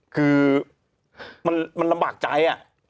คือมันลำบากใจ